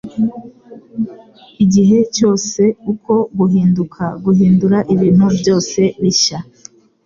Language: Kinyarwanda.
Igihe cyose uko guhinduka guhindura ibintu byose bishya.